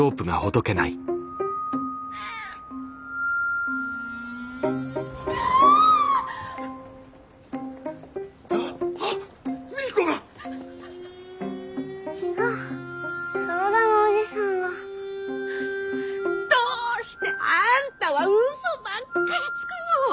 どうしてあんたはうそばっかりつくの！